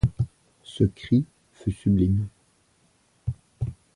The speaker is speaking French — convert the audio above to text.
Ce cri fut sublime.